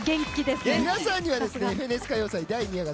皆さんには「ＦＮＳ歌謡祭第２夜」が